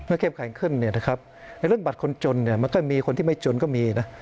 เข้มแข็งขึ้นเนี่ยนะครับในเรื่องบัตรคนจนเนี่ยมันก็มีคนที่ไม่จนก็มีนะ